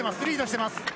リードしてます。